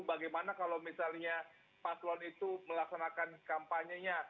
bagaimana kalau misalnya paslon itu melaksanakan kampanye nya